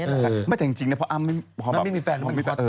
เอ็กซ์เรียกเห็นจริงนะป๊อปพออำต็อมไม่มีแฟน